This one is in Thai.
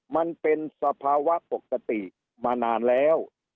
มันเป็นสภาวะปกติมานานแล้ว